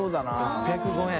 「６０５円」